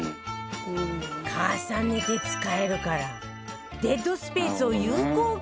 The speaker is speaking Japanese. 重ねて使えるからデッドスペースを有効活用